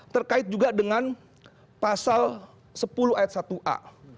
terkait juga dengan pasal sepuluh ayat satu a